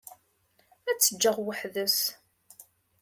Ad t-ǧǧeɣ weḥd-s.